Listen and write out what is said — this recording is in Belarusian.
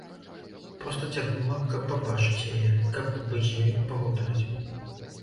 Проста цягнула, каб пабачыць яе, каб пабыць з ёй, пагутарыць.